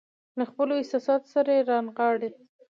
له خپلو احساساتو سره يې رانغاړي.